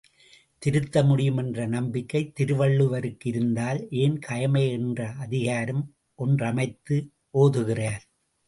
திருத்தமுடியும் என்ற நம்பிக்கை திருவள்ளுவருக்கு இருந்தால் ஏன் கயமை என்றே அதிகாரம் ஒன்றமைத்து ஓதுகிறார்?